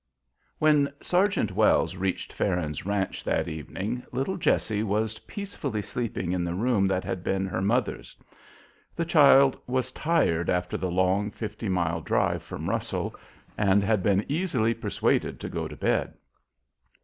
When Sergeant Wells reached Farron's ranch that evening little Jessie was peacefully sleeping in the room that had been her mother's. The child was tired after the long, fifty mile drive from Russell, and had been easily persuaded to go to bed.